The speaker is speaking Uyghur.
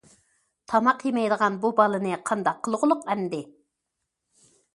تاماق يېمەيدىغان بۇ بالىنى قانداق قىلغۇلۇق ئەمدى؟!